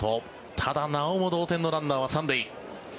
ただ、なおも同点のランナーは３塁。